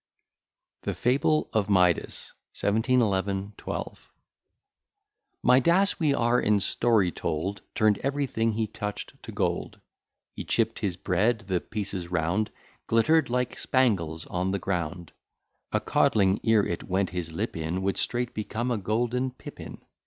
_] THE FABLE OF MIDAS. 1711 12 Collated with Stella's copy. Forster. Midas, we are in story told, Turn'd every thing he touch'd to gold: He chipp'd his bread; the pieces round Glitter'd like spangles on the ground: A codling, ere it went his lip in, Would straight become a golden pippin.